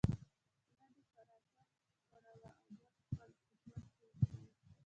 خوله دې پر اتام ښوروه او بیا به خپل حکومت جوړ کړو.